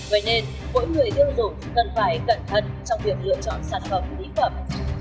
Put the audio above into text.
vậy nên mỗi người tiêu dụng cần phải cẩn thận trong việc lựa chọn sản phẩm dĩ phẩm